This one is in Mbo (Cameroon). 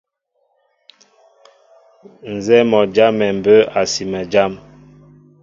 Nzɛ́ɛ́ mɔ́ a jámɛ mbə̌ a sima jám.